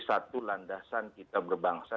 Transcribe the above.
satu landasan kita berbangsa